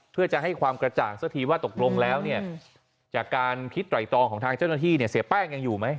เพื่อจะให้ความกระจ่างซะทีว่าตกลงแล้วเนี่ยจากการคิดไตรตองของทางเจ้าหน้าที่เนี่ยเสียแป้งยังอยู่ไหม